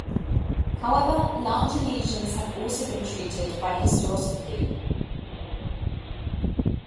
However, larger lesions have also been treated by hysteroscopy.